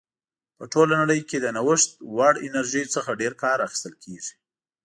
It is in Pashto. په ټوله نړۍ کې د نوښت وړ انرژیو څخه ډېر کار اخیستل کیږي.